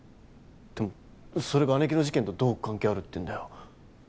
でもそれが姉貴の事件とどう関係あるっていうんだよ。